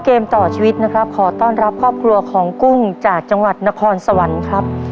เกมต่อชีวิตนะครับขอต้อนรับครอบครัวของกุ้งจากจังหวัดนครสวรรค์ครับ